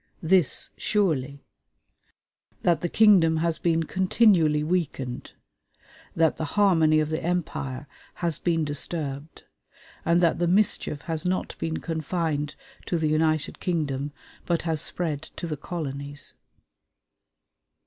This, surely: that the kingdom has been continually weakened, that the harmony of the empire has been disturbed, and that the mischief has not been confined to the United Kingdom, but has spread to the colonies....